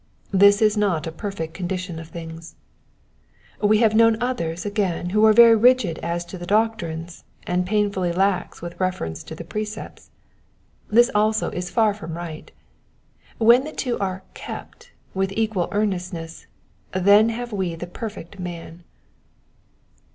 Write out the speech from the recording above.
This is not a perfect condition of things. We have known others agam who are very rigid as to the doctrines, and painfully lax with reference to the precepts. This also is far from right. When the two are '* kept " with equal earnestness then have we the perfect man.